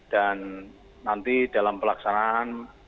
dan nanti dalam pelaksanaan